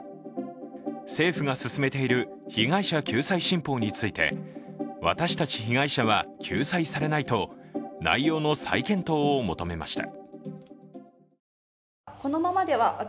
政府が進めている被害者救済新法について私たち被害者は救済されないと内容の再検討を求めました。